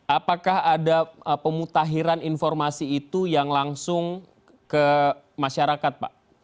apakah ada pemutahiran informasi itu yang langsung ke masyarakat pak